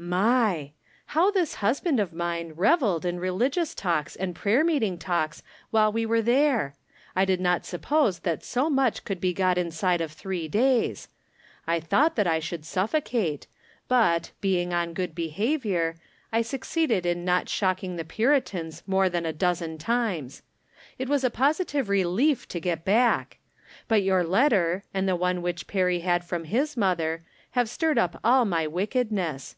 My ' How this husband of mine reveled in re hgious talks and prayer meeting talks while we were there. I did not suppose that so much could be got inside of three days. I thought 259 260 From Different Standpoints. that I should suffocate, but, being on good behav ior, I succeeded in not shocking the Puritans more than a dozen times. It was a positive relief to get back. But your letter, and the one which Perry had from Ms mother, have stirred up aU my wickedness.